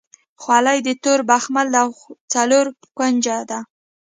خولۍ د تور بخمل ده او څلور کونجه ده.